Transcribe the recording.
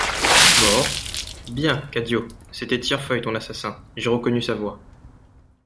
Mort ? Bien, Cadio !… C'était Tirefeuille, ton assassin, j'ai reconnu sa voix.